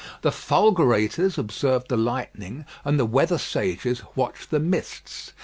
The "fulgurators" observed the lightning, and the weather sages watched the mists.